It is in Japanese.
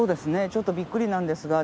ちょっとびっくりなんですが。